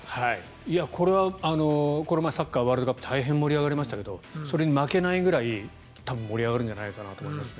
これはこの前、サッカーワールドカップ大変盛り上がりましたがそれに負けないぐらい多分盛り上がるんじゃないかなと思いますね。